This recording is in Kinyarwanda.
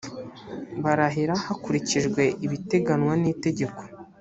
barahira hakurikijwe ibiteganywa n ‘itegeko.